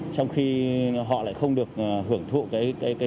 trong khi họ lại không được hưởng thụ cái khu vực này